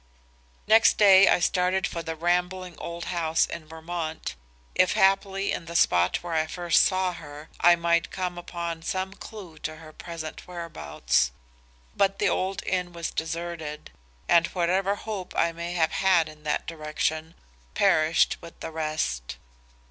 "Next day I started for the rambling old house in Vermont, if haply in the spot where I first saw her, I might come upon some clue to her present whereabouts. But the old inn was deserted, and whatever hope I may have had in that direction, perished with the rest.